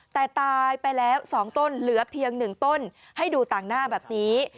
แต่ตายไปแล้ว๒ต้นเหลือเพียง๑ต้นให้ดูต่างหน้าแบบนี้